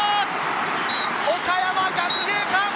岡山学芸館！